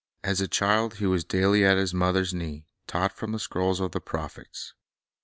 As a little child, He was daily, at His mother's knee, taught from the scrolls of the prophets.